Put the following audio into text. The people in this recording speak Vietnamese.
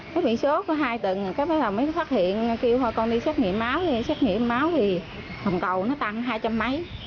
nó bị sốt hai tuần cái bây giờ mới phát hiện kêu con đi xét nghiệm máu đi xét nghiệm máu thì thồng cầu nó tăng hai trăm linh mấy